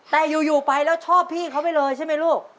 แต่อยู่ไปแล้วชอบพี่เขาไปเลยใช่ไหมลูก